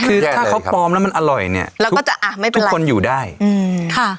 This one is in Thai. คือถ้าเขาปลอมแล้วมันอร่อยเนี้ยเราก็จะอ่ะไม่เป็นทุกคนอยู่ได้อืมค่ะ